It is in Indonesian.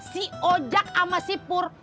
si ojak sama si pur